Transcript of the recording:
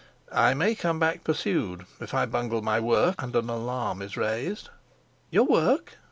"I may come back pursued if I bungle my work and an alarm is raised." "Your work?"